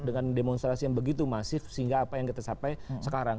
dengan demonstrasi yang begitu masif sehingga apa yang kita capai sekarang